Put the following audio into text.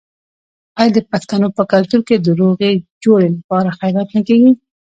آیا د پښتنو په کلتور کې د روغې جوړې لپاره خیرات نه کیږي؟